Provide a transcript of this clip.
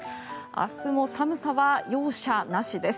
明日も寒さは容赦なしです。